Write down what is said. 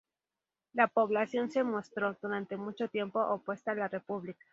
La población se mostró, durante mucho tiempo, opuesta a la República.